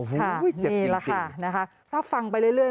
เจ็บจริงถ้าฟังไปเรื่อย